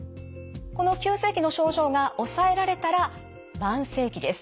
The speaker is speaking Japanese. この急性期の症状が抑えられたら慢性期です。